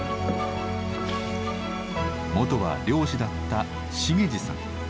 もとは漁師だった茂司さん。